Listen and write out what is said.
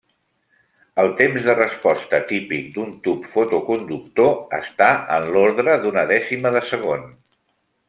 El temps de resposta típic d'un tub fotoconductor està en l'ordre d'una dècima de segon.